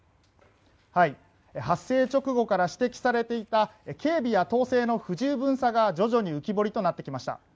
発生直後から指摘されていた警備や統制の不十分さが徐々に浮き彫りとなってきました。